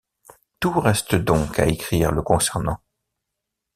Tout reste donc à écrire le concernant.